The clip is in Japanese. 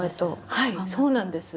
はいそうなんです。